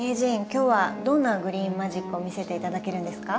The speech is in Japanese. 今日はどんなグリーンマジックを見せて頂けるんですか？